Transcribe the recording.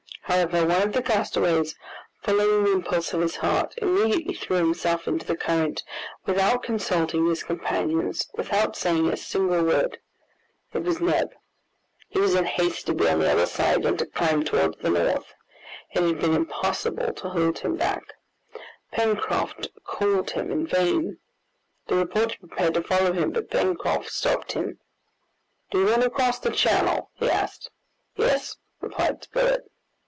However, one of the castaways, following the impulse of his heart, immediately threw himself into the current, without consulting his companions, without saying a single word. It was Neb. He was in haste to be on the other side, and to climb towards the north. It had been impossible to hold him back. Pencroft called him in vain. The reporter prepared to follow him, but Pencroft stopped him. "Do you want to cross the channel?" he asked. "Yes," replied Spilett.